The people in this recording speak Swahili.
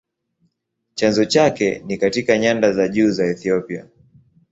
Chanzo chake ni katika nyanda za juu za Ethiopia.